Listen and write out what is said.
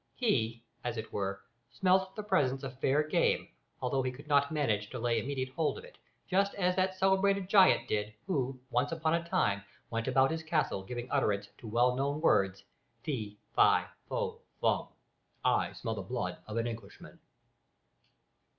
He, as it were, smelt the presence of fair game, although he could not manage to lay immediate hold of it, just as that celebrated giant did, who, once upon a time, went about his castle giving utterance to well known words "Fee, fo, fa, fum, I smell the smell of an Englishman."